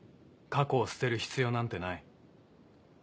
過去を捨てる必要なんてない。